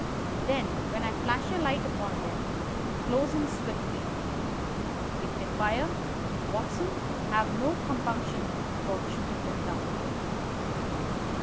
Then, when I flash a light upon them, close in swiftly. If they fire, Watson, have no compunction about shooting them down."